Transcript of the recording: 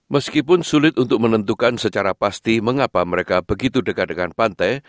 meskipun sulit untuk menentukan secara pasti mengapa mereka begitu dekat dengan pantai